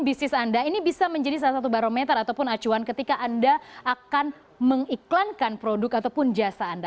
bisnis anda ini bisa menjadi salah satu barometer ataupun acuan ketika anda akan mengiklankan produk ataupun jasa anda